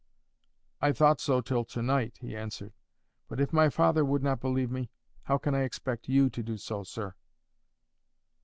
"I thought so till to night," he answered. "But if my father would not believe me, how can I expect you to do so, sir?"